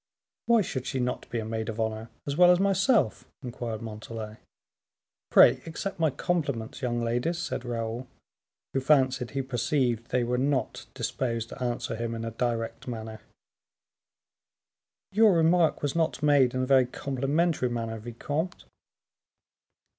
"Why should she not be a maid of honor, as well as myself?" inquired Montalais. "Pray accept my compliments, young ladies," said Raoul, who fancied he perceived they were not disposed to answer him in a direct manner. "Your remark was not made in a very complimentary manner, vicomte."